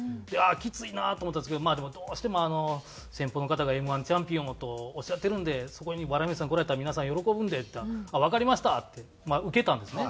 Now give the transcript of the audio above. きついなと思ったんですけど「どうしても先方の方がＭ−１チャンピオンをとおっしゃってるんでそこに笑い飯さん来られたら皆さん喜ぶんで」って「わかりました」って受けたんですね。